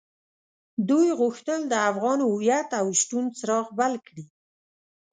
دوی غوښتل د افغان هويت او شتون څراغ بل کړي.